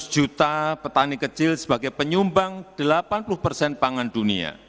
lima ratus juta petani kecil sebagai penyumbang delapan puluh persen pangan dunia